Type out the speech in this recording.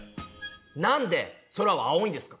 なんで空は青いんですか？